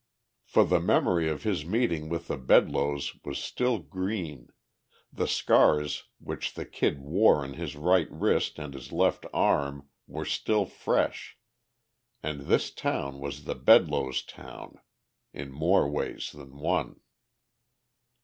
For the memory of his meeting with the Bedloes was still green, the scars which the Kid wore on his right wrist and his left arm were still fresh, and this town was the Bedloes' town in more ways than one.